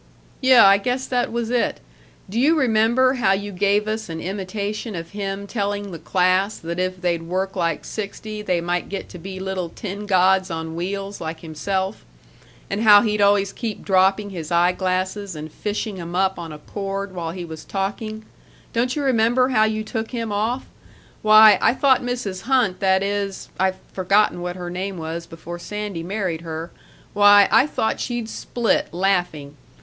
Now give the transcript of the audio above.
"Yuh, I guess that was it. Do you remember how you gave us an imitation of him telling the class that if they'd work like sixty they might get to be little tin gods on wheels like himself, and how he'd always keep dropping his eye glasses and fishing 'em up on a cord while he was talking don't you remember how you took him off? Why, I thought Mrs. Hunt that is I've forgotten what her name was before Sandy married her why, I thought she'd split, laughing.